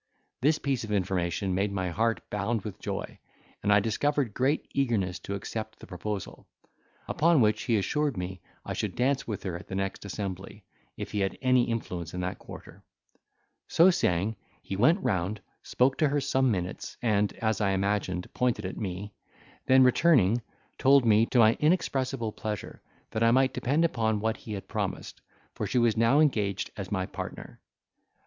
This piece of information made my heart bound with joy, and I discovered great eagerness to accept the proposal; upon which he assured me I should dance with her at the next assembly, if he had any influence in that quarter: so saying, he went round, spoke to her some minutes, and, as I imagined, pointed at me; then returning, told me, to my inexpressible pleasure, that I might depend upon what he had promised, for she was now engaged as my partner.